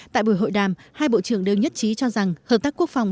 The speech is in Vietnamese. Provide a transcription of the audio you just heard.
tại buổi hội đàm hai bộ trưởng đều nhất trí cho rằng hợp tác quốc phòng